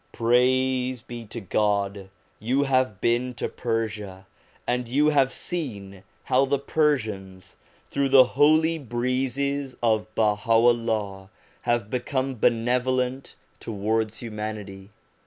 Praise be to God, you have been to Persia, and you have seen how the Persians, through the holy breezes of Baha'u'llah, have become benevolent towards humanity.